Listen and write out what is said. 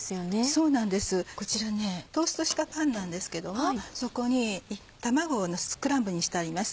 そうなんですこちらトーストしたパンなんですけどそこに卵をスクランブルにしてあります。